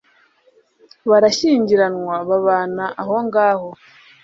Barashyingiranwa babana aho ngaho